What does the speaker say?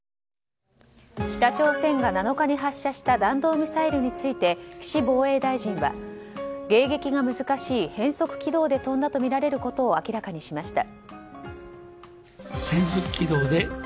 北朝鮮が７日に発射した弾道ミサイルについて岸防衛大臣は迎撃が難しい変則軌道で飛んだとみられることを明らかにしました。